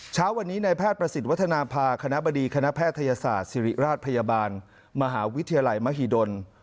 เช้าวันนี้ในแพทย์ประสิทธิ์วัฒนภาคณะบดีคณะแพทยศาสตร์ศิริราชพยาบาลมหาวิทยาลัยมหิดล